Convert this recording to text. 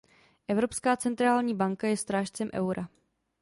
Evropská centrální banka je strážcem eura.